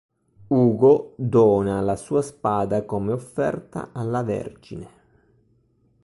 Ugo dona la sua spada come offerta alla Vergine.